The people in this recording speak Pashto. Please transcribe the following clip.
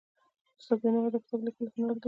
استاد بینوا د کتاب لیکلو هنر درلود.